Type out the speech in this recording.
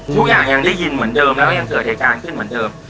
ทุกอย่างยังได้ยินเหมือนเดิมแล้วก็ยังเกิดเหตุการณ์ขึ้นเหมือนเดิม